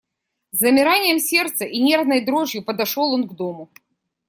С замиранием сердца и нервной дрожью подошел он к дому.